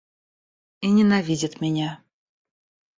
И ненавидит меня.